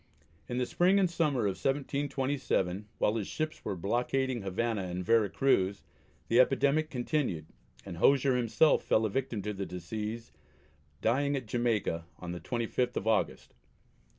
In the spring and summer of 1727, while his ships were blockading Havana and Vera Cruz, the epidemic continued, and Hosier himself fell a victim to the disease, dying at Jamaica on the 25th of August.